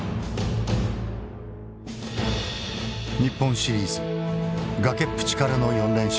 日本シリーズ崖っぷちからの４連勝。